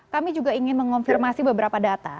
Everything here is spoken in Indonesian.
kami juga ingin mengonfirmasi beberapa data